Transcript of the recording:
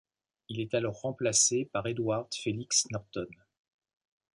Il est alors remplacé par Edward Felix Norton.